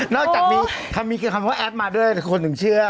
นอกจากมีคำว่าแอปมาด้วยคนถึงเชื่อ